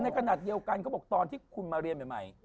ในกระหน้าเยี่ยวกันเขาบอกตอนที่คุณมาเรียนใหม่